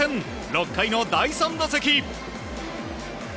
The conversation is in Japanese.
６回の第３打席。